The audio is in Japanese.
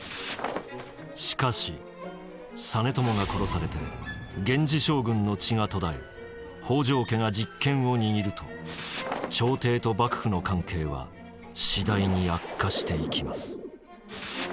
しかし実朝が殺されて源氏将軍の血が途絶え北条家が実権を握ると朝廷と幕府の関係は次第に悪化していきます。